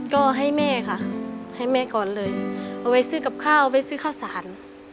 ก็ให้แม่ค่ะให้แม่ก่อนเลยเอาไว้ซื้อกับข้าวไปซื้อข้าวสาร